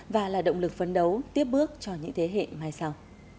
và là động lực phấn đấu tiếp bước cho những thế hệ mai sau